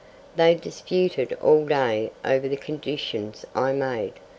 They disputed all day over the conditions I had made.